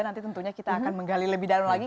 nanti tentunya kita akan menggali lebih dalam lagi